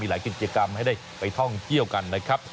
หลายกิจกรรมให้ได้ไปท่องเที่ยวกันนะครับ